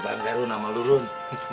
mabe bangga runa malu run